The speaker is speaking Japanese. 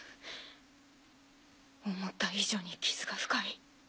思った以上にキズが深い。